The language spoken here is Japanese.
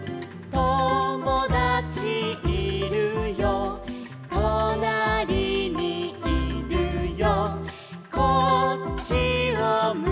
「ともだちいるよいるよいるよ」